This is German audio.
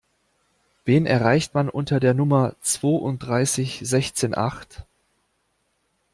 Wen erreicht man unter der Nummer zwounddreißig sechzehn acht?